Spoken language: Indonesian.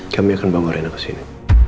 kami akan bawa rena kesini